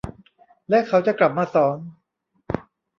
และเขาจะกลับมาสอน